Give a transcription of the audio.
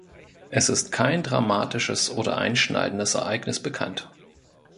Es ist kein dramatisches oder einschneidendes Ereignis bekannt.